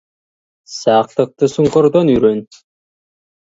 Сақтықты сұңқардан үйрен.